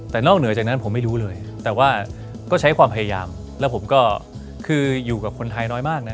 แต่นอกเหนือจากนั้นผมไม่รู้เลยแต่ว่าก็ใช้ความพยายามแล้วผมก็คืออยู่กับคนไทยน้อยมากนะ